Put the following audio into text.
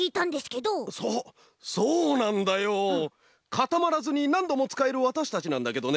かたまらずになんどもつかえるわたしたちなんだけどね